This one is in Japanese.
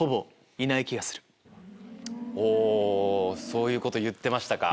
そういうこと言ってましたか。